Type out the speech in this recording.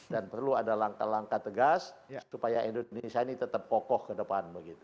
dan perlu ada langkah langkah tegas supaya indonesia ini tetap pokok ke depan